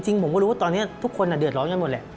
ผมก็รู้ว่าตอนนี้ทุกคนเดือดร้อนกันหมดแหละ